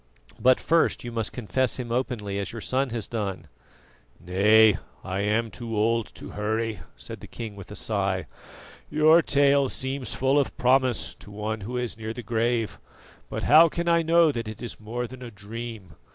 But first you must confess Him openly, as your son has done." "Nay, I am too old to hurry," said the king with a sigh. "Your tale seems full of promise to one who is near the grave; but how can I know that it is more than a dream?